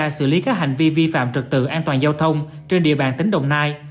xử lý các hành vi vi phạm trực tự an toàn giao thông trên địa bàn tỉnh đồng nai